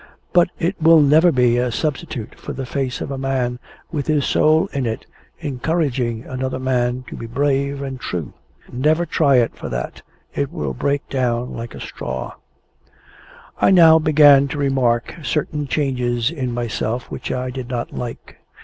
But it will never be a substitute for the face of a man, with his soul in it, encouraging another man to be brave and true. Never try it for that. It will break down like a straw. I now began to remark certain changes in myself which I did not like.